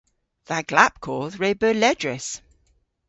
Dha glapkodh re beu ledrys.